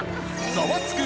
『ザワつく！